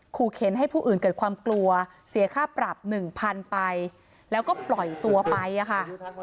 คูเข้นให้ผู้อื่นเกิดความกลัวเสียค่าปรับ๑๐๐๐ไปแล้วก็ปล่อยตัวไปค่ะ